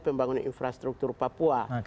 pembangunan infrastruktur papua